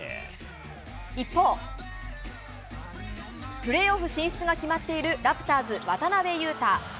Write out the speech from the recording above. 一方、プレーオフ進出が決まっているラプターズ、渡邊雄太。